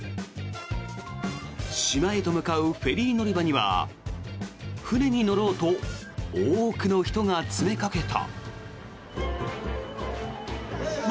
島へと向かうフェリー乗り場には船に乗ろうと多くの人が詰めかけた。